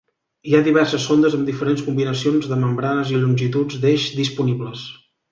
Hi ha diverses sondes amb diferents combinacions de membranes i longituds d'eix disponibles.